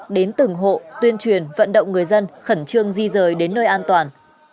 đến từng hộ tuyên truyền vận động người dân khẩn trương di rời đến nơi an toàn